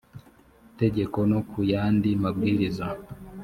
tegeko no ku yandi mabwiriza